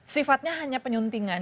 sifatnya hanya penyuntingan